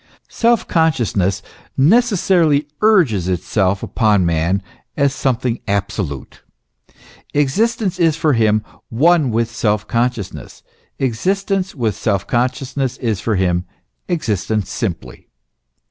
Self consciousness necessarily urges itself upon man as something absolute. Existence is for him one with self consciousness; existence with self consciousness is for him existence simply.